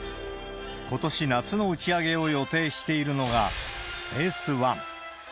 ことし夏の打ち上げを予定しているのが、スペースワン。